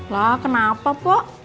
lah kenapa poh